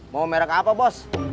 mau merk apa bos